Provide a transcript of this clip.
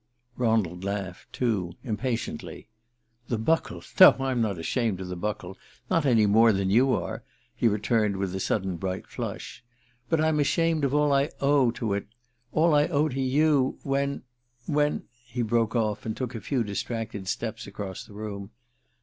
Ronald laughed too, impatiently. "The Buckle? No, I'm not ashamed of the Buckle; not any more than you are," he returned with a sudden bright flush. "But I'm ashamed of all I owe to it all I owe to you when when " He broke off and took a few distracted steps across the room.